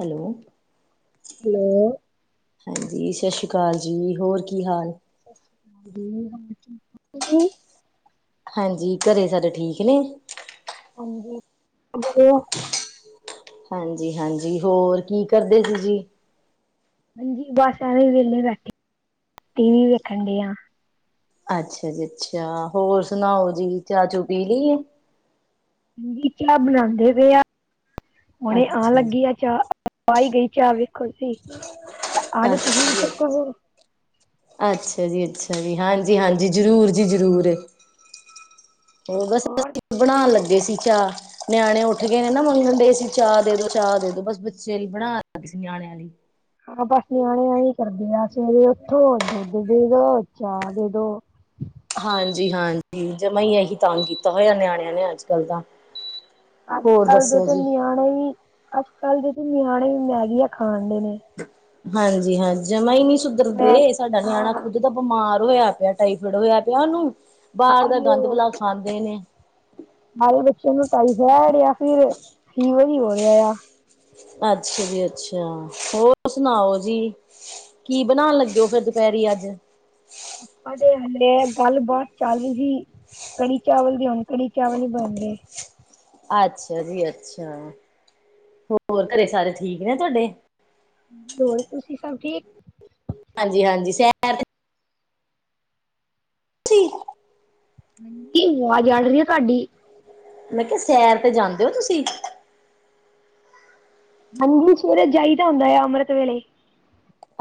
Hello hello, ਹਾਂਜੀ ਸਤਿ ਸ਼੍ਰੀ ਅਕਾਲ ਜੀ ਹੋਰ ਕੀ ਹਾਲ ਸਤਿ ਸ੍ਰੀ ਅਕਾਲ ਜੀ ਹੋ ਹਾਂਜੀ ਘਰੇ ਸਾਡੇ ਠੀਕ ਨੇ ਹਾਂਜੀ ਹਾਂਜੀ ਹਾਂਜੀ ਹੋਰ ਕੀ ਕਰਦੇ ਸੀ ਜੀ ਹਾਂਜੀ ਬਸ ਐਵੇਂ ਵਿਹ ਬੈਠੇ ਟੀ ਵੀ ਵੇਖਣ ਡ ਆ ਅੱਛਾ ਜੀ ਅੱਛਾ ਹੋਰ ਸੁਣਾਓ ਜੀ ਚਾਹ ਚੂ ਪੀ ਲਈ ਆ ਚਾਹ ਬਣਾਉਂਦੇ ਪਏ ਆ ਹੁਣੇ ਆ ਅੱਛਾ ਜੀ ਲੱਗੀ ਆ ਚਾਹ ਆਈ ਗਈ ਚਾਹ ਵੇਖੋ ਤੁ ਆ ਜਾ ਤੁਸੀਂ ਵੀ ਅੱਛਾ ਚੱਕਰ ਹੋੋ ਅੱਛਾ ਜੀ ਅੱਛਾ ਜੀ ਹਾਂਜੀ ਹਾਂਜੀ ਜ਼ਰੂਰ ਜੀ ਜ਼ਰੂਰ ਉਹ ਬਸ ਹੋਰ ਅਸੀਂ ਬਣਾਉਣ ਲੱਗੇ ਸੀ ਚਾਹ ਨਿਆਣੇ ਉੱਠ ਗਏ ਨੇ ਨਾ ਮੰਗਣ ਡ ਸੀ ਚਾਹ ਦੇ ਦੋ ਚਾਹ ਦੇ ਦੋ ਬਸ ਬੱਚੇ ਲਈ ਬਣਾ ਸੀ ਨਿਆਣੇ ੀ ਹਾਂ ਬਸ ਨਿਆਣਿਆਂ ਹੀ ਕਰਦੇ ਆ ਸਵੇਰੇ ਉੱਥੋਂ ਦੁ ਅੱਛਾ [inaudible] ਹਾਂਜੀ ਹਾਂਜੀ ਜ ਮਾ ਇਹੀ ਤੰਗ ਕੀਤਾ ਹੋਇਆ ਨਿਆਣਿਆਂ ਨੇ ਅੱਜ ਕੱਲ ਦਾ ਅੱਜ ਕੱਲ ਦੇ ਤੇ ਨਿਆਣੇ ਵੀ ਅੱਜ ਕੱਲ ਦੇ ਤੇ ਨਿਆਣੇ ਵੀ ਮੈਂਗੀ ਆ ਖਾਣ ਕਦੇ ਨੇ ਹਾਂਜੀ ਹਾਂ ਜਮਾ ਹੀ ਨਹੀ ਮੈਂ ਸੁਧਰਦੇ ਸਾਡਾ ਨਿਆਣਾ ਹਾਂ, ਖੁੱਦ ਦਾ ਬਿਮਾਰ ਹੋਇਆ ਪਿਆ ਟਾਈਫਡ ਹੋਇਆ ਪਿਆ ਉਹਨੂੰ ਬਾਹਰ ਦਾ ਗੰਦ ਬਲਾ ਖਾਂਦੇ ਨੇ ਹਾਰੇੇ ਬੱਚੇ ਨੂੰ ਟਾਇਫਾਇਡ ਜਾਂ ਫਿਰ ਫੀਵਰ ਹੀ ਹੋ ਰਿਹਾ ਆ ਅੱਛਾ ਜੀ ਅੱਛਾ ਹੋਰ ਸੁਣਾਓ ਜੀ ਕੀ ਬਣਾਉਣ ਲੱਗੇ ਹੋ ਫੇਰ ਦੁਪਹਿਰੇ ਅੱਜ ਆਪਾਂ ਦੇ ਹਾਲੇ ਗੱਲ ਬਾਤ ਚੱਲ ਰਹੀ ਕੜੀ ਚਾਵਲ ਵੀ ਹੁਣ ਕੜੀ ਚਾਵਲ ਹੀ ਬਣ ਗਏ ਅੱਛਾ ਜੀ ਅੱਛਾ ਹੋਰ ਘਰੇ ਸਾਰੇ ਠੀਕ ਨੇ ਤੁਹਾਡੇ ਹੋਰ ਤੁਸੀਂ ਸਭ ਠੀਕ? ਹਾਂਜੀ-ਹਾਂਜੀ, ਸੈਰ ਠੀ। ਆਂਟੀ ਆਵਾਜ਼ ਅੜ ਰਹੀ ਏ ਤੁਹਾਡੀ। ਮੈਂ ਕੇਹਾ ਸੈਰ ਤੇ ਜਾਂਦੇ ਹੋ ਤੁਸੀਂ? ਹਾਂਜੀ, ਸਵੇਰੇ ਜਾਈ ਦਾ ਹੁੰਦਾ ਏ, ਅੰਮ੍ਰਿਤ ਵੇਲੇ।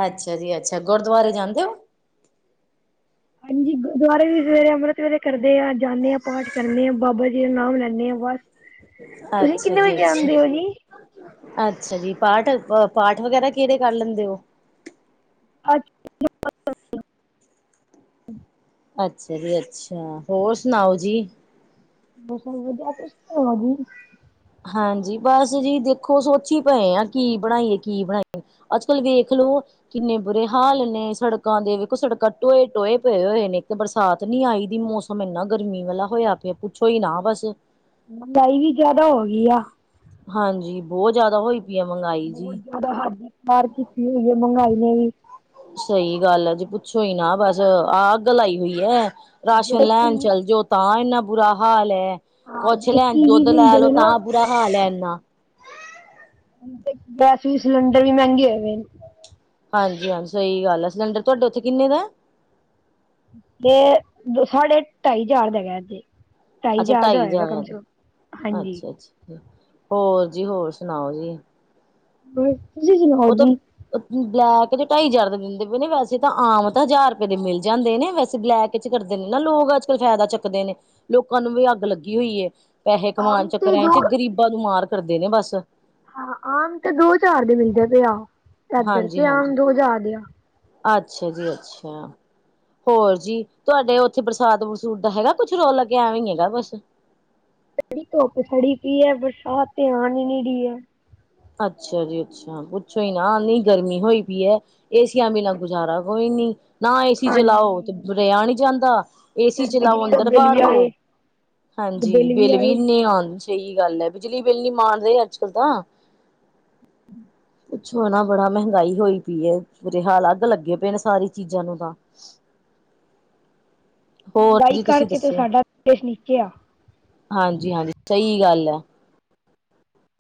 ਅੱਛਾ ਜੀ ਅੱਛਾ, ਗੁਰਦੁਆਰੇ ਜਾਂਦੇ ਹੋ? ਹਾਂਜੀ ਗੁਰਦੁਆਰੇ ਵੀ ਸਵੇਰੇ ਅੰਮ੍ਰਿਤ ਵੇਲੇ ਕਰਦੇ ਆ, ਜਾਂਣੇ ਆਂ, ਪਾਠ ਕਰਨੇ ਆ, ਬਾਬਾ ਜੀ ਦਾ ਨਾਮ ਲੈਂਣੇ ਆਂ। ਬਸ, ਤੁਸੀਂ ਅੱਛਾ ਕਿੰਨੇ ਜੀ ਵਜੇ ਅੱਛਾ। ਜਾਂਦੇ ਹੋ ਜੀ? ਅੱਛਾ ਜੀ, ਪਾਠ ਅ ਪਾਠ ਵਗੈਰਾ ਕਿਹੜੇ ਕਰ ਲੈਂਦੇ ਔ? [unintelligible] ਅੱਛਾ ਜੀ ਅੱਛਾ, ਹੋਰ ਸੁਣਾਓ ਜੀ? ਬਸ ਵਧੀਆ, ਆਪਣੀ ਸੁਣਾਓ ਜੀ? ਹਾਂਜੀ, ਬਸ ਜੀ ਦੇਖੋ, ਸੋਚੀ ਪਏ ਆ ਕੀ ਬਣਾਈਏ? ਕੀ ਬਣਾਈਏ? ਅੱਜ ਕੱਲ ਵੇਖਲੋ, ਕਿੰਨੇ ਬੁਰੇ ਹਾਲ ਨੇ ਸੜਕਾਂ ਦੇ, ਵੇਖੋ ਸੜਕਾਂ ਟੋਏ-ਟੋਏ ਪਏ ਹੋਏ। ਨੇ ਕਿ ਬਰਸਾਤ ਨੀ ਆਈ ਦੀ? ਮੌਸਮ ਇੰਨਾ ਗਰਮੀ ਵਾਲਾ ਹੋਇਆ ਪਿਆ, ਪੁੱਛੋ ਹੀ ਨਾ ਬਸ। ਮਹਿੰਗਾਈ ਹੀ ਜਿਆਦਾ ਹੋ ਗਈ ਆ। ਹਾਂਜੀ, ਬਹੁਤ ਜਿਆਦਾ ਹੋਈ ਪਈ ਹੈ ਮਹਿੰਗਾਈ ਜੀ। ਮਾਰ ਕੀਤੀ ਹੋਈ ਹੈ ਮਹਿੰਗਾਈ ਨੇ ਵੀ। ਸਈ ਗੱਲ ਆ ਜੀ, ਪੁੱਛੋ ਹੀ ਨਾ ਬਸ, ਆਹ ਅੱਗ ਲਾਈ ਹੋਈ ਐ। ਰਾਸ਼ਨ ਜਿਹੜੇ ਕਿ ਲੈਣ ਚੱਲ ਜੋ, ਤਾਂ ਇੰਨਾ ਬੁਰਾ ਹਾਲ ਹੈ। ਹਾਂ ਕੁਛ ਜਿਹੜੇ ਲੈਣ ਕੀਵੀ ਦੁੱਧ ਵੀ ਲੈ ਹੁੰਦੇ ਲੋ, ਨੇ ਨਾ ਤਾਂ ਬੁਰਾ ਹਾਲ ਏ ਇੰਨਾ। ਵੈਸੇ ਈ ਸਲੰਡਰ ਵੀ ਮਹਿੰਗੇ ਹੋਵੇ ਪਏ ਨੇ। ਹਾਂਜੀ-ਹਾਂਜੀ ਸਈ ਗੱਲ ਐ, ਸਿਲੰਡਰ ਤੁਹਾਡੇ ਉੱਥੇ ਕਿੰਨੇ ਦਾ ਏ? ਤੇ ਸਾਢੇ ਢਾਈ ਹਜ਼ਾਰ ਦਾ ਹੇਗਾ ਏ ਇਥੇ। ਅੱਛਾ ਢਾਈ ਜਾਰ, ਹਾਂਜੀ ਅੱਛਾ-ਅੱਛਾ। ਹੋਰ ਜੀ, ਹੋਰ ਸੁਣਾਓ ਜੀ? [unintelligible] ਉਹ ਤਾਂ ਜੀ ਅ ਬਲੈਕ। ਏਥੇ ਢਾਈ ਹਜ਼ਾਰ ਦਾ ਦਿੰਦੇ ਪਏ ਨੇ, ਵੈਸੇ ਤਾਂ ਆਮ ਤਾਂ ਹਜ਼ਾਰ ਰੁਪਏ ਦੇ ਮਿਲ ਜਾਂਦੇ ਨੇ, ਵੈਸੇ ਬਲੈਕ ਚ ਕਰਦੇ ਨੇ ਨਾ ਲੋਕ। ਅੱਜ ਕੱਲ ਫਾਇਦਾ ਚੱਕਦੇ ਨੇ, ਲੋਕਾਂ ਨੂੰ ਵੀ ਅੱਗ ਲੱਗੀ ਹੋਈ ਹੈ। ਪੈਹੇ ਕਮਾਣ ਆਮ ਤੇ ਚੱਕਰਾ ਦੋ ਚ, ਗ਼ਰੀਬਾਂ ਨੂੰ ਮਾਰ ਕਰਦੇ ਨੇ ਬਸ। ਹਾਂ ਆਮ ਤੇ ਦੋ ਹਜਾਰ ਦੇ ਮਿਲਦੇ ਪਏ ਆ, ਏਧਰ ਤੇ ਹਾਂਜੀ ਆਮ ਹਾਂਜੀ ਦੋ ਜਾਰ ਦੇ ਆ। ਅੱਛਾ ਜੀ ਅੱਛਾ। ਹੋਰ ਜੀ? ਤੁਹਾਡੇ ਔਥੇ ਬਰਸਾਤ ਬੂਰਸੂਤ ਦਾ ਹੈਗਾ ਏ ਕੁੱਛ ਰੋਲ ਲੱਗੇਆ? ਐਵੇਂ ਹੀ ਹੈਗਾ ਬਸ। [inaudible] ਸੜੀ ਧੁੱਪ ਸੜੀ ਕੀ ਏ, ਬਰਸਾਤ ਤੇ ਆਣ ਈ ਨੀ ਰੀ ਏ। ਅੱਛਾ ਜੀ ਅੱਛਾ, ਪੁੱਛੋ ਹੀ ਨਾ, ਇੰਨੀ ਗਰਮੀ ਹੋਈ ਪਈ ਏ, ਏਸੀਆਂ ਬਿਨਾਂ ਗੁਜ਼ਾਰਾ ਕੋਈ ਨਈ, ਨਾ ਏ ਸੀ ਚਲਾਓ, ਤੇ ਹਾਂਜੀ ਰੇਆ ਨਈ ਜਾਂਦਾ। ਏ ਸੀ ਫਿਰ ਚਲਾਓ ਬਿਜਲੀ ਦਾ ਅੰਦਰ ਬਿੱਲ ਬਾਹਰ ਵੀ ਹੋ, ਆਏ ਹਾਂਜੀ, ਬਿੱਲ ਵੀ ਇੰਨੇ ਆਣ ਸਹੀ ਗੱਲ ਏ, ਬਿਜਲੀ ਬਿੱਲ ਨੀ ਮਾਣ ਰੇ ਅੱਜ ਕੱਲ ਤਾਂ। ਪੁੱਛੋ ਨਾ ਬੜਾ ਮਹਿੰਗਾਈ ਹੋਈ ਪਈ ਏ, ਬੁਰੇ ਹਾਲ, ਅੱਗ ਲੱਗੇ ਪਏ ਨੇ ਸਾਰੀ ਚੀਜ਼ਾਂ ਨੂੰ ਤਾਂ। [inaudible] ਹੋਰ ਮਹਿੰਗਾਈ ਜੀ ਤੁਸੀਂ ਕਰਕੇ ਤੇ ਸਾਡਾ ਦੇਸ਼ ਨੀਚੇ ਆ। ਹਾਂਜੀ-ਹਾਂਜੀ, ਸਹੀ ਗੱਲ ਏ।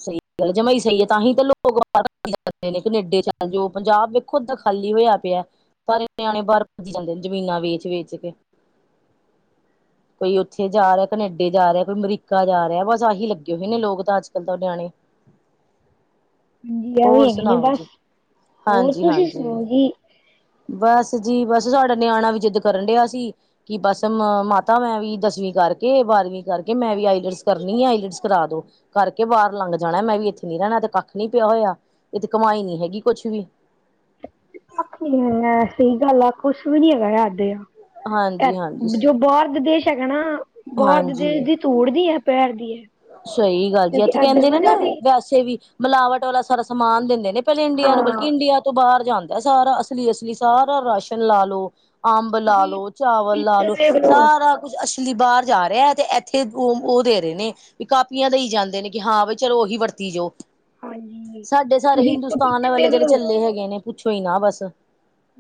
ਸਹੀ ਗੱਲ, ਜਮਾ ਈ ਸਈ ਏ, ਤਾਂ ਹੀ ਤਾਂ ਲੋਕ [unintelligible] ਨੂੰ ਜਾਂਦੇ ਨੇ, ਕਨੇਡੇ ਚਲ ਜੋ। ਪੰਜਾਬ ਵੇਖੋ ਅੱਧਾ ਖਾਲੀ ਹੋਇਆ ਪਿਆ। ਸਾਰੇ ਨਿਆਣੇ ਬਾਹਰ ਭੱਜੀ ਜਾਂਦੇ ਨੇ, ਜ਼ਮੀਨਾਂ ਵੇਚ-ਵੇਚ ਕੇ। ਕੋਈ ਔਥੇ ਜਾ ਰਿਹਾ, ਕਨੇਡੇ ਜਾ ਰਿਹਾ, ਕੋਈ ਅਮਰੀਕਾ ਜਾ ਰਿਹਾ, ਬਸ ਆਹੀ ਲੱਗੇ ਹੋਏ ਨੇ ਲੋਕ ਤਾਂ ਅੱਜ ਕਦੋ ਨਿਆਣੇ। ਹਾਂਜੀ ਐਵੇਂ ਹੋਰ ਹੈਗੇ ਨੇ ਸੁਣਾਓ ਜੀ? ਬਸ ਹੋਰ ਤੁਸੀਂ ਹਾਂਜੀ-ਹਾਂਜੀ, ਸੁਣਾਓ ਜੀ? ਬਸ ਜੀ ਬਸ ਸਾਡਾ ਨਿਆਣਾ ਵੀ ਜਿੱਦ ਕਰਨ ਡਿਆ ਸੀ ਕਿ ਬਸ ਮਾਤਾ ਮੈਂ ਵੀ ਦਸਵੀਂ, ਕਰਕੇ ਬਾਰਵੀਂ ਕਰਕੇ ਮੈਂ ਵੀ ਆਈਲਟਸ ਕਰਨੀ ਆਈਲਟਸ ਕਰਾ ਦੋ ਕਰਕੇ ਬਾਹਰ ਲੰਘ ਜਾਣਾ ਮੈਂ ਵੀ ਇੱਥੇ, ਨ ਰਹਿਣਾ ਤੇ ਕੱਖ ਨੀ ਪਿਆ ਹੋਇਆ ਇਹ ਤੇ ਕਮਾਈ ਨੀ ਹੈਗੀ ਕੁਛ ਵੀ, ਹ ਸਹੀ ਗੱਲ ਆ ਕੁੱਛ ਵੀ ਨੀ ਹੈਗਾ ਦੇ ਆ ਹਾਂਜੀ ਹਾਂਜੀ ਜੋ ਬਾਹਰ ਦੇ ਦੇਸ਼, ਝਗਣਾ ਬਾਹਰ ਦੇ ਹਾਂਜੀ ਦੀ ਤੂੜ ਦੀ ਹੈ ਪੈਰ ਦੀ ਹੈ। ਸਹੀ ਗੱਲ ਜੀ ਕਿਉਂਕਿ ਇੱਥੇ ਇੱਧਰ ਕਹਿੰਦੇ ਨੇ ਨਾ ਜ਼ਿਆਦੀ ਵੈਸੇ ਵੀ ਮਿਲਾਵਟ ਵਾਲਾ ਸਾਰਾ ਸਮਾਨ ਦਿੰਦੇ ਨੇ, ਪਹਿਲਾਂ ਇੰਡੀਆ ਨੂੰ ਹਾਂ ਬਲਕਿ ਇੰਡੀਆ ਤੋਂ ਬਾਹਰ ਜਾਂਦਾ ਸਾਰਾ ਅਸਲੀ ਅਸਲੀ ਸਾਰਾ ਰਾਸ਼ਨ ਲਾ ਲਓ। ਅੰਬ ਲਾ ਤੁਸੀਂ ਲੋ ਚਾਵਲ ਲਾ ਪਪੀਤੇ ਲਓ ਵੇਖ ਸਾਰਾ ਕੁਛ ਅੱਛ ਲੀ ਬਾਹਰ ਜਾ ਰਿਹਾ ਤੇ ਇੱਥੇ ਉਹ ਉਹ ਦੇ ਰਹੇ ਨੇ, ਵੀ ਕਾਪੀਆਂ ਦਈ ਜਾਂਦੇ ਨੇ ਕਿ ਹਾਂ ਬ ਚਲੋ ਉਹੀ ਵਰਤੀ ਜਾਓ। ਹਾਂਜੀ ਸਾਡੇ ਸਾਰੇ ਤੁਸੀਂ ਹਿੰਦੁਸਤਾਨ ਪਪੀਤੇ ਵਾਲੇ ਵੇਖ ਜਿਹੜੇ ਲਓ। ਚੱਲੇ ਹੈਗੇ ਨੇ ਪੁੱਛੋ ਹੀ ਨਾ ਬਸ,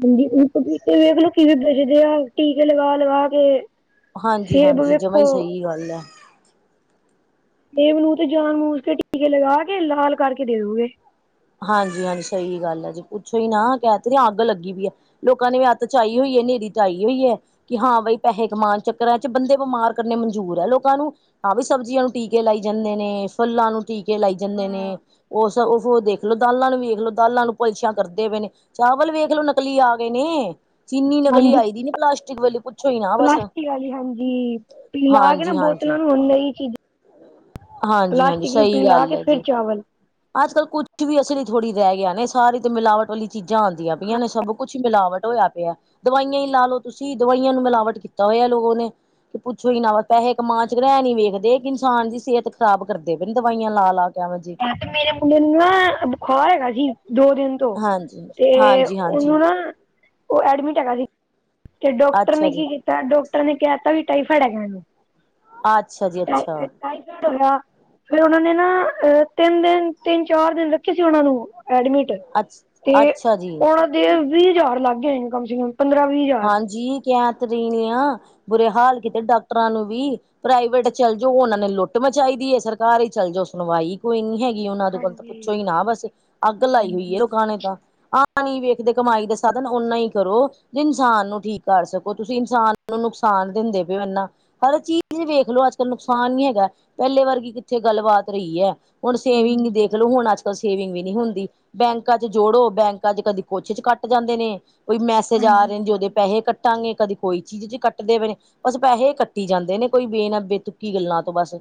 ਹਾਂਜੀ ਪਪੀਤੇ ਵੇਖ ਲਓ ਕਿਵੇਂ ਬਜਦੇ ਆ ਟੀਕੇ ਲਗਾ ਲਗਾ ਕੇ, ਸੇਬ ਹਾਂਜੀ-ਹਾਂਜੀ ਜਮਾ ਵੇਖੋ ਹੀ ਸਹੀ ਗੱਲ ਹੈ। ਦੇ ਮ ਨੂੰਹ ਤੇ ਜਾਨ ਬੂਜ ਕੇ ਟੀਕੇ ਲਗਾ ਕੇ ਲਾਲ ਕਰਕੇ ਦੇ ਦੋਗੇ। ਹਾਂਜੀ ਹਾਂਜੀ ਸਹੀ ਗੱਲ ਆ ਜੇ ਪੁੱਛੋਈ ਨਾ ਕਹਿ ਤੇ ਅੱਗ ਲੱਗੀ ਪਈ ਹੈ ਲੋਕਾਂ ਨੇ ਵੀ ਅੱਥ ਚਾਈ ਹੋਈ। ਹਨੇਰੀ ਤਾਂ ਆਈ ਹੋਈ ਹੈ ਕਿ ਹਾਂ ਬਾਈ ਪੈਸੇ ਕਮਾਣ ਚੱਕਰ ਹੈ ਚ ਬੰਦੇ ਬਿਮਾਰ ਕਰਨੇ ਮਨਜੂਰ ਹੈ ਲੋਕਾਂ ਨੂੰ ਹਾਂ ਵੀ ਸਬਜ਼ੀਆਂ ਨੂੰ ਟੀਕੇ ਲਾਈ ਜਾਂਦੇ ਨੇ ਫੁੱਲਾਂ ਨੂੰ ਟੀਕੇ ਲਾਈ ਜਾਂਦੇ ਹਾਂ ਨੇ ਉਹ ਸ ਉਹ ਦੇਖ। ਦੇਖਲੋ ਦਾਲਾਂ ਨੂੰ ਵੇਖ ਲਓ ਦਾਲਾਂ ਨੂੰ ਪਲਸ਼ੀਆਂ ਕਰਦੇ ਪਏ ਨੇ ਚਾਵਲ ਵੇਖ ਲੋ ਨਕਲੀ ਆ ਗਏ ਨੇ, ਚੀਨੀ ਨਕਲੀ ਹਾਂਜੀ ਆਈ ਦੀ ਨੀ ਪਲਾਸਟਿਕ ਵੇਲੇ ਪੁੱਛੋ ਹੀ ਨਾ ਬਸ ਪਲਾਸਟਿਕ ਵਾਲੀ ਹਾਂਜੀ ਪਿਲਾ ਕੇ ਨਾ ਹਾਂਜੀ-ਹਾਂਜੀ। ਬੋਤਲਾਂ ਨੂੰ ਨਹੀਂ ਚੀਜ਼ਾਂ ਹਾਂਜੀ ਹਾਂਜੀ ਪਲਾਸਟਿਕ ਰੁਪੀ ਸਹੀ ਲਾ ਗੱਲ ਕੇ ਹੈ ਫਿਰ ਜੀ ਚਾਵਲ, ਅੱਜ ਕੱਲ੍ਹ ਕੁਛ ਵੀ ਅਸਲੀ ਥੋੜ੍ਹੀ ਰਹਿ ਗਿਆ ਨੇ ਸਾਰੇ ਤੇ ਮਿਵਟ ਵਾਲੀ ਚੀਜ਼ਾਂ ਆਦੀਆਂ ਪਈਆਂ ਨੇ ਸਭ ਕੁਛ ਮਿਲਾਵਟ ਹੋ। ਪਿਆ ਦਵਾਈਆਂ ਹੀ ਲਾ ਲੋਓ ਤੁਸੀਂ ਦਵਾਈਆਂ ਨੂੰ ਮਿਲਾਵਟ ਕੀਤਾ ਹੋਇਆ ਲੋਕੋ ਨੇ, ਕਿ ਪੁੱਛੋ ਹੀ ਨਾ ਵ ਪੈਸੇ ਕਮਾ ਚਹਿ ਨੀ ਵੇਖਦੇ ਕਿ ਇਨਸਾਨ ਦੀ ਸਿਹਤ ਖ਼ਰਾਬ ਕਰਦੇ ਪ ਦਵਾਈਆਂ ਲਾ ਲਾ ਕੇ। ਕ ਵਜੀ। ਮੈਨੂੰ ਨਾ ਬੁਖਆ ਹੈਗਾ ਸੀ ਦੋ ਦਿਨ ਤੋਂ ਹਾਂਜੀ ਤੇ ਹਾਂਜੀ ਹਾਂਜੀ ਉਹਨੂੰ ਨਾ। ਉਹ ਐਡਮਿਟ ਹੈਗਾ ਸੀ ਤੇ ਡਾਕਟਰ ਨੇ ਅੱਛਾ ਜੀ ਕੀ ਕੀਤਾ ਡਾਕਟਰ ਨੇ ਕਿਹਾ ਤ ਵੀ ਟਾਈ। ਖੜਗਾ ਨੂੰ। ਅਛਾ। ਧਿਆ ਫਿਰ ਉਹਨਾਂ ਨੇ ਨਾ ਅ ਤਿੰਨ ਦਿਨ ਤਿੰਨ ਚਾਰ ਦਿਨ ਰੱਖੇ ਸੀ ਉਹਨਾਂ ਨੂੰ। ਐਡਮਿਟ ਅੱਛ ਤੇ ਅੱਛਾ ਜੀ ਉਹਨਾਂ ਦੇ ਵੀਹ ਹਜ਼ਾਰ ਲੱਗ ਗਏ ਕਮ ਸੇ ਕਮ। ਪੰਦਰਾਂ ਵੀਹ ਹਜ਼ਾਰ ਕੈਤਰੀ ਨ ਆ ਬੁਰੇ ਹਾਲ ਕੀਤੇ ਡਾਕਟਰਾਂ ਨੂੰ ਵੀ ਪ੍ਰਾਈਵੇਟ ਚੱਲ ਜੋ ਉਹਨਾ ਨੇ ਲੁੱਟ ਚਾਹੀਦੀ ਹੈ ਸਰਕਾਰ ਹੀ ਚੱਲ ਜਾਓ ਸੁਣਵਾਈ ਕੋਈ ਨੀ ਹੈਗੀ। ਉਹਨਾਂ ਕੋਲ ਤਾਂ ਪੁੱਛੋ ਹੀ ਹਾਂਜੀ ਨਾ ਬਸੇ ਅੱਗ ਲਾਈ ਹੋਈ ਏ ਹਾਂਜੀ ਰੁਕਾਣੇ ਤਾਂ ਆਹ ਪਾਣੀ ਵੇਖਦੇ ਕਮਾਈ ਦੇ ਸਾਧਨ ਓਨਾ ਹੀ ਕਰੋ। ਇਨਸਾਨ ਨੂੰ ਠੀਕ ਕਰ ਸਕੋ ਤੁਸੀਂ ਇਨਸਾਨ ਨੂੰ ਨੁਕਸਾਨ ਦਿੰਦੇ ਪਏ ਹੋ ਇਨਾ ਹਰ ਚੀਜ਼ ਵੇਖ ਲੋ। ਅੱਜ ਕੱਲ ਨੁਕਸਾਨ ਨੀ ਹੈਗਾ ਪਹਿਲੇ ਵਰਗੀ ਕਿੱਥੇ ਗੱਲਬਾਤ ਰਹੀ ਹੈ ਹੁਣ ਹੂੰ ਸੇਵਿੰਗ ਦੇਖਲੋ ਹੁਣ ਅੱਜਕਲ ਸੇਵਿੰਗ ਵੀ ਨਹੀਂੀ ਹੁੰਦੀ ਬੈਂਕਾਂ ਚ ਜੋੜੋ ਬੈਂਕਾਂ ਚ ਕਦੇ ਕੁਛੇ ਚ ਕੱਟ ਜਾਂਦੇ ਨੇ ਕੋਈ। ੇ ਜਾ ਹਾਂਜੀ ਰਹੇ ਜ ਜੋਦਦੇ ਪੈਸੇ ਕੱ ਕੱਟਾਂਗੇ ਕਦੇ ਕੋਈ ਚੀਜ਼ ਚ ਕੱਟਦੇ ਪਏ ਨੇ ਬਸ ਪੈਸੇ ਕੱਟੀ ਜਾਂਦੇ ਨੇ ਕੋਈ ਬੇਨਾ ਬੇਤੁੱਕੀ ਗੱਲਾਂ ਤੋਂ ਬਸ।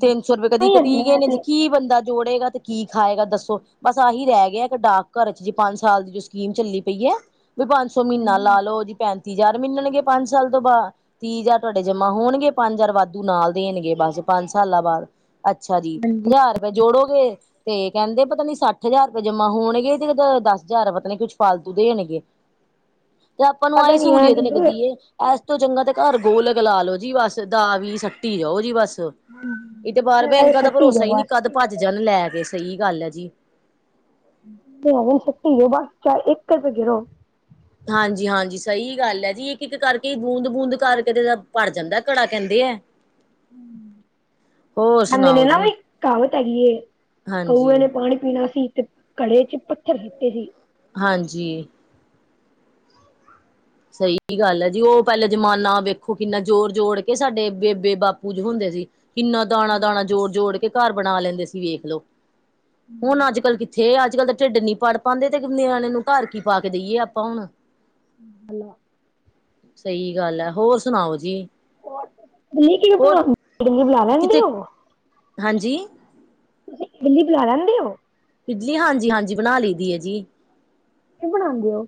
ਤਿੰਨ ਸੌ ਰੁਪਏ ਕਦੀ ਹੀ ਕਟੀ ਜਾਂਦੇ ਗਏ ਆ ਨੇ ਤੇ ਜੀ ਕੀ ਬੰਦਾ। ਜੋੜੇਗਾ ਤੇ ਕੀ ਖਾਏਗਾ ਦੱਸੋ ਬਸ ਆਹੀ ਰਹਿ ਗਿਆ ਇੱਕ ਡਾਕ ਘਰ ਚ ਜੇ ਪੰਜ ਸਾਲ ਦੀ ਜੋ ਸਕੀਮ ਚੱਲੀ ਪਈ ਹੈ। ਵੀ ਪੰਜ ਸੌ ਮਹੀਨਾ ਹਾਂਜੀ ਲਾ ਲੋਓ ਜੀ ਪੈਂ ਤੀਹ ਹਜ਼ਾਰ ਮਨਣਗੇ ਪੰਜ ਸਾਲ ਤੋਂ ਬਾਅਦ ਤੀਹ ਹਜ਼ਾਰ ਤੁਹਾਡੇ ਜਮਾ ਹੋਣਗੇ ਪੰਜ ਹਜ਼ਾਰ ਵਾਧੂ ਨਾਲ ਦੇਣਗੇ ਬਸ। ਪੰਜ ਸਾਲਾਂ ਬਾਅਦ ਅੱਛਾ ਜੀ ਹਾਂਜੀ ਹਜ਼ਾਰ ਰੁਪਏ ਜੋੜੋਗੇ। ਤੇ ਕਹਿੰਦੇ ਪਤਾ ਨੀ ਸੱਠ ਹਜ਼ਾਰ ਰੁਪਏ ਜਮਾ ਹੋਣਗੇ ਤੇ ਦਸ ਹਜ਼ਾਰ ਪਤਾ ਨੀ ਕੁਛ ਫਾਲਤੂ ਦੇਣਗੇ। ਤੇ ਆਪਾਂ ਨੂੰ ਪਤਾ ਆਹੀ ਨੀ ਹੈ ਸਹੂਲੀਅਤ ਕਿੱਧਰ ਲੱਗਦੀ ਏ। ਤੋਂ ਜੰਗਾ ਤੇ ਘਰ ਗੋਲ ਗ ਲ ਲੋ ਜੀ ਬਸ ਦਾ ਵੀ ਸੱਟੀ ਜਾਓ ਜੀ ਬਸ। ਇਹ ਤੇ ਬਾਰ ਜਿੰਨੇ ਵਜੇ ਬੈਂਕਾਂ ਦਾ ਸੱਟੀ ਭਰੋਸਾ ਜਾਓ ਹੀ ਨੀ ਬਸ ਕਦ ਭੱਜ ਜਾਣ ਲੈ ਕੇ। ਸਹੀ ਗੱਲ ਹੈ ਜੀ। ਆ ਸਤੀ ਬੱਸ ਚਾਰ ਇੱਕ ਕਰ ਤਾਂ ਗਰੋ ਹਾਂਜੀ ਹਾਂਜੀ ਸਹੀ ਗੱਲ ਹੈ ਜੀ ਇੱਕ ਇੱਕ ਕਰਕੇ ਬੂੰਦ ਬੂੰਦ ਕਰਕੇ ਤੇ ਭੜ ਜਾਂਦਾ ਘੜਾ ਕਹਿੰਦੇ। ਕਿ ਅ ਨਿਲ ਮ ਕਾਬ ਤਗ। [unintelligible] ਕਊਆ ਨੇ ਪਾਣੀ ਪੀਣਾ ਸੀ ਤੇ ਘੜੇ ਚ ਪੱਥਰਤੇ। ਹਾਂਜੀ। ਸਹੀ ਗੱਲ ਹੈ ਜੀ ਉਹ ਪਹਿਲਲੇ ਜਮਾਨਾ ਵੇਖੋ ਕਿੰਨਾ ਜੋੋਰ ਜੋੜ ਕੇ ਸਾਡੇ ਬੇਬੇ ਬਾਪੂ ਜ ਹੁੰਦੇ ਸੀ। ਕਿੰਨਾ ਦਾਣਾ ਦਾਣਾ ਜੋੜ ਜੋੜ ਕੇ ਘਰ ਬਣਾ ਲੈਂਦੇ ਸੀ ਵੇਖ ਲਓ ਹੁਣ ਅੱਜ ਕੱਲ੍ਹ ਕਿ ਥੇ ਅੱਜ ਕੱਲ ਤਾਂ ਢਿੱਡ ਨੀ ਪੜ੍ਹ ਪਾਉਂਦੇ ਤੇ ਨਿਆਣੇ ਨੂੰ ਘਰ ਕੀ ਪਾ ਕੇ ਦੇਈਏ ਆਪਾਂ ਹੁਣ। ਲ। ਸਹੀ ਗੱਲ ਹੈ ਹੋਰ ਸੁਣਾਓ ਜੀ। ਹੋਰ ਕਿ ਹੋਰ ਆਪਣਾ ਇਡਲੀ ਬਣਾ ਲੈਣ ਦੇ ਕਿਤੇ ਹੋ। ਹਾਂਜੀ। ਤੁਸੀਂ ਇਡਲੀ ਬਣਾ ਲੈਂਦੇ ਹੋ। ਇਡਲੀ ਹਾਂਜੀ ਹਾਂਜੀ ਬਣਾ ਲਈ ਦੀ ਹੈ ਜੀ। ਕੀ ਬਣਾਉਂਦੇ ਹੋ।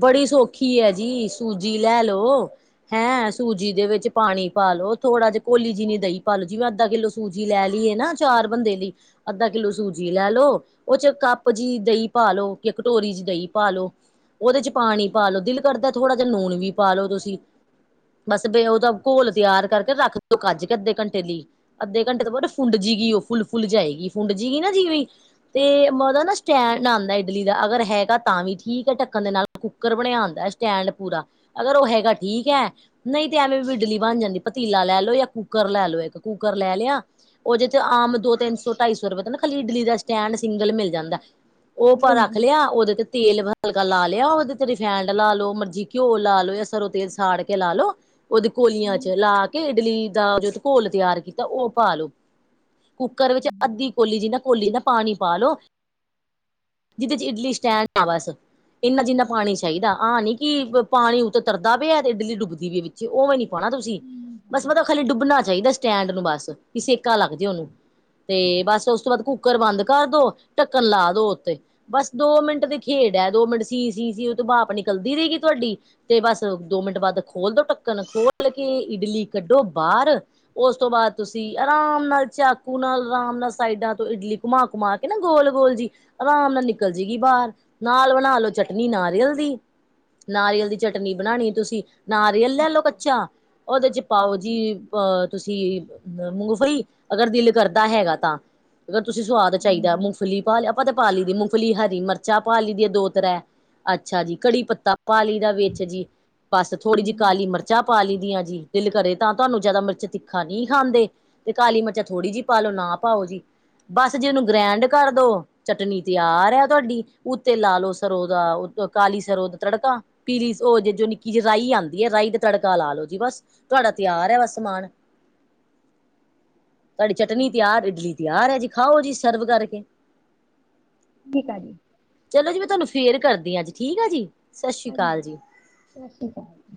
ਬੜੀ ਸੌਖੀ ਹੈ ਜੀ ਸੂਜੀ ਲੈ ਲੋ ਹੈਂ ਸੂਜੀ ਦੇ ਵਿੱਚ ਪਾਣੀ ਪਾ ਲੋ। ਉਹ ਥੋੜਾ ਜਿ ਘੋਲੀ ਜੀ ਨੀ ਦਈ ਪਾਾਲੋ ਜੀ ਮੈਂ ਅੱਧਾ ਕਿੱਲੋ ਸੂਜੀ ਲੈ ਲਈਏ ਨਾ ਚਾਰ ਬੰਦੇ ਲਈ ਅੱਧਾ ਕਿੱਲੋ ਸੂਜੀ। ਜੀ ਲੈ ਲੋ ਉਹ ਚ ਕੱਪ ਜਿਹੀ ਦਹੀਂ ਪਾ ਲੋ ਕਿ ਕਟੋਰੀ ਚ ਦਹੀਂ ਪਾ ਲ ਲੋ। ਉਹਦੇ ਚ ਪਾਣੀ ਪਾਾਲਓ ਦਿਲ ਕਰਦਾ ਥੋੜ੍ਹਾ ਜਿਹਾ ਨੂਣ ਵੀ ਪਾ ਲ ਲੋ ਤੁਸੀਂ। ਬਸ ਬੇ ਉਹਦਾ ਘੋਲ ਤਿਆਰ ਕਰਕੇ ਰੱਖ ਦਿਓ ਕੱਜ ਕੇ ਅੱਧੇ ਘੰਟੇ ਲਈ ਅੱਧੇ ਘੰਟੇ ਤੋਂ ਬ ਫੁੰਡ ਜ ਉਹ ਫੁੱਲ ਫੁੱਲ ਜਾਏਗੀ ਫੁੰਡ ਜਗੀ ਨਾ ਜਿਵੇ ਤੇ ਮਤਦਾ ਨਾ ਸਟੈਂਡ ਆਉਂਦਾ ਇਡਲੀ ਦਾ ਅਗਰ। ਹੈਗਾ ਤਾਂ ਵੀ ਠੀਕ ਹੈ। ਣ ਦੇ ਨਾਲ ਕੁੱਕਰ ਬਣਿਆ ਆਉਦਾ ਸਟੈਂਡ ਪੂਰਾ ਅਗਰ ਉਹ ਹੈਗਾ ਠੀਕ ਹੈ ਨਹੀਂ ਤੇ ਐਵੇਂ ਬਡਲੀ ਬ ਹਾਂਜੀ ਪਤੀਲਾ ਲੈ ਲਓ ਜਾਂ ਕੂੱਕਰ ਲੈ ਲਓ ਇੱਕ ਕੂੱਕਰ ਲੈ ਲਿਆ। ਉਹ ਜੇ ਤੇ ਆਮ ਦੋ ਤਿੰਨ ਸੌ ਢਾਈ ਸੌ ਰੁਪਏ ਨਾ ਖਾਲੀ ਇਡਲੀ ਦਾ ਸਟੈਂਡ ਸਿੰਗਲ ਮਿਲ ਜਾਂਦਾ। ਉਹ ਆਪਾਂ ਰੱਖ ਹਾਂਜੀ ਲਿਆ ਉਹਦੇ ਚ ਤੇਲ ਹਲ, ਲਾ ਲਿਆ ਉਹਦੇ ਤੇ ਰਿਫੈਂਡ ਲਾ ਲਓ ਮਰਜੀ ਘਿਓ ਲਾ ਲਓ ਜਾਂ ਸਰੋਂ ਤੇਲ ਸਾੜ ਕੇ ਲਾ ਲ ਲੋ ਉਹਦੇ ਕੋਲੀ ਕੋਲੀਆਂ ਚ ਲਾ ਕੇ ਇਡਲੀ ਦਾ ਜੋ ਘੋਲ ਤਿਆਰ ਕੀਤਾ ਉਹ ਪਾ ਲੋ, ਕੁੱਕਰ ਵਿੱਚ ਅੱਧੀ ਕੋਲੀ ਜਿ ਨਾ ਕੋਲੀ ਨਾ, ਪਾਣੀ ਪਾ ਲੋੋ ਜਿਹਦੇ ਚ ਇਡਲੀ ਸਟੈਂਡ ਆ ਬਸ, ਇੰਨਾ ਜਿੰਨਾ ਪਾਣੀ ਚਾਹੀਦਾ ਆਹ ਨੀ ਕਿ, ਪਾਣੀ ਉਹ ਤੇ ਤਰਦਾ ਪਿਆ ਤੇ ਇਡਲੀ ਡੁੱਬਦੀ ਪਈ ਵਿੱਚ ਉਹਵੇਂ ਨੀ ਪਾਉਣਾ ਤੁਸੀਂ, ਬਸ ਮਤਾਬ ਖਾਲੀ ਡੁੱਬਣਾ ਚਾਹੀਦਾ ਸਟੈਂਡ ਨੂੰ ਬਸ ਵੀ ਸੇਕਾ ਲੱਗ ਜੇ ਉਹਨੂੰ ਤੇ ਬਸ ਉਸ ਤੋਂ ਬਾਅਦ ਕੁੂੱਕਰ ਬੰਦ ਕਰਦੋ ਢੱਕਣ ਲਾ ਦੋ ਉੱਥੇ ਬਸ ਦੋ ਮਿੰਟ ਦੇ ਖੇਡ, ਡਹਿ ਦੋ ਮਿੰਟ ਸੀ ਸੀ ਸੀ ਉਹ ਤੇ ਭਾਫ ਨਿਕਲਦੀ ਰਹੇ ਗੀ ਤੁਹਾਡੀ ਤੇ ਬਸ ਦੋ ਮਿੰਟ ਬਾੱਦ ਖੋਲ ਦੋ ਟੱਕਣ, ਖੋਲ ਕੇ ਇਡਲੀ ਕੱਢੋ ਬਾਹਰ ਉਸ ਤੋਂ ਬਾਅਦ ਤੁਸੀਂ ਆਰਾਮ ਨਾਲ ਚਾਕੂ ਨਾਲ, ਆਰਾਮ ਨਾਲ ਸਾਈਡਾਂ ਤੋਂ ਇਡਲੀ ਘੁਮਾ ਘੁਮਾ ਕੇ ਨਾ ਗੋਲ ਗੋਲ ਜੀ ਆਰਾਮ ਨਾਲ ਨਿਕਲ ਜਏਗੀ ਬਾਹਰ, ਨਾਲ ਬਣਾ ਲੋੋ ਚਟਨੀ ਨਾਰੀਅਲ ਦੀ, ਨਾਰੀਅਲ ਦੀ ਚਟਨੀ ਬਣਾਣੀ ਤੁਸੀਂ ਨਾਰੀਅਲ ਲੈ ਲਓ ਕੱਚਾ ਉਹਦੇ ਚ ਪਾਓ ਜੀ, ਅਹ ਤੁਸੀਂ ਮੂੰਗਫਲੀ ਅਗਰ ਦਿਲ ਕਰਦਾ ਹੈਗਾ ਤਾਂ, ਅਗਰ ਤੁਸੀਂ ਸਵਾਦ ਚਾਹੀਦਾ ਮੂੰਗਫਲੀ ਪਾਲ ਆਪਾਂ ਤੇ ਪਾਲ ਲਈ ਦੀ ਮੁੂੰਗਫਲੀ ਹਰੀ ਮਿਰਚਾਂ, ਪੀ ਦੀ ਹੈ ਦੋ ਤਰੈ ਅੱਛਾ ਜੀ ਕੜੀ ਪੱਤਾ, ਪਾਲੀ ਦਾ ਵਿੱਚ ਜੀ ਬਸ ਥੋੜ੍ਹੀ ਜਿਹੀ ਕਾਲੀ ਮਿਰਚਾਂ, ਪਾ ਲਈ ਦੀਆਂ ਜੀ ਦਿਲ ਕਰੇ ਤਾਂ ਤੁਹਾਨੂੰ ਜਿਆਦਾ ਮਿਰਚ ਤਿੱਖਾ ਨਹੀਂ ਖਾਂਦੇ ਤੇ ਕਾਲੀ ਮਿਰਚਾਂ ਥੋੜ੍ਹੀ ਜਿਹੀ ਪਾ ਲੈਣਾ। ਪਾਓ ਜੀ ਬਸ ਜੇ ਉਹਨੂੰ ਗ੍ਰੈਂਡ ਕਰ ਦੋ ਚਟਨੀ ਤਿਆਰ ਹੈ ਤੁਹਾਡੀ ਉੱਤੇ ਲਾ ਲਓ ਸਰੋਂ ਦਾ ਕਾਲੀ ਸਰੋਂ ਦਾ ਤੜਕਾ ਪੀਲੀ ਉਹ ਜੇ ਜੋ ਨਿੱਕੀ ਜਿਹੀ ਰਹੀ ਆਉਂਦੀ ਹੈ। ਤੜਕਾ ਲਾ ਲੋੋ ਜੀ ਬਸ ਤੁਹਾਡਾ ਤਿਆਰ ਹੈ ਬਸ ਸਮਾਨ, ਤੁਹਾਡੀ ਚਟਨੀ ਤਿਆਰ ਇਡਲੀ ਤਿਆਰ ਹੈ ਜੀ ਖਾਓ ਜੀ ਸਰਵ ਕਰਕੇ, ਠੀਕ ਆ ਜੀ, ਚਲੋ ਜੀ ਮੈਂ ਤੁਹਾਨੂੰ ਫੇਰ ਕਰਦੀ ਹਾਂ ਜੀ ਠੀਕ ਆ ਜੀ। ਸਤਿ ਸ਼੍ਰੀ ਹਾਂਜੀ ਅਕਾਲ ਜੀ ਸਤਿ ਸ਼੍ਰੀ ਅਕਾਲ,